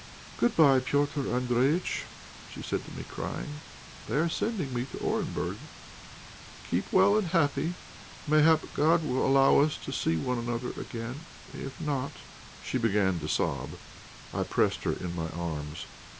"Good bye, Petr' Andréjïtch," she said to me, crying; "they are sending me to Orenburg. Keep well and happy. Mayhap God will allow us to see one another again, if not " She began to sob. I pressed her in my arms.